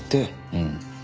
うん。